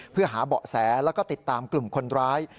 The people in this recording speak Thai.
เพื่อหาเบาะแสแล้วก็ติดตามกลุ่มคนร้าย